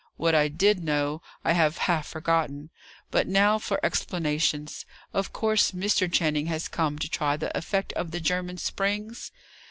What I did know, I have half forgotten. But, now for explanations. Of course, Mr. Channing has come to try the effect of the German springs?"